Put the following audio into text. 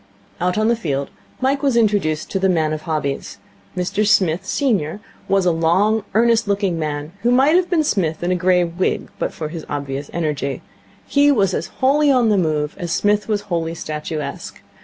Out on the field Mike was introduced to the man of hobbies. Mr Smith, senior, was a long, earnest looking man who might have been Psmith in a grey wig but for his obvious energy. He was as wholly on the move as Psmith was wholly statuesque.